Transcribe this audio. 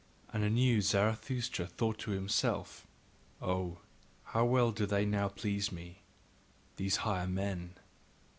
And anew Zarathustra thought to himself: "Oh, how well do they now please me, these higher men!"